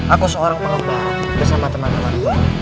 aku seorang pelomba bersama teman teman